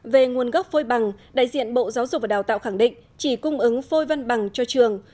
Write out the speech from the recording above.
về nguồn gốc phôi bằng đại diện bộ giáo dục và đào tạo khẳng định chỉ cung ứng phôi văn bằng cho trường